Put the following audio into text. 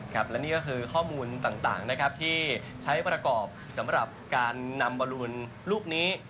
ครับและนี่ก็คือข้อมูลต่างนะครับที่ใช้ประกอบสำหรับการนำบอรูนลูกนี้